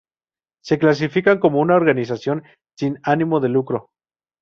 Se clasifican como una organización sin ánimo de lucro.